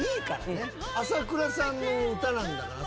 麻倉さんの歌なんだから。